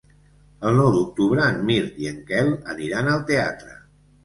El nou d'octubre en Mirt i en Quel aniran al teatre.